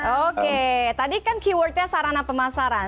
oke tadi kan keywordnya sarana pemasaran